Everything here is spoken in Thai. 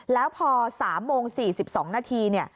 แล้วพอ๓โมง๔๒นาที